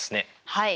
はい。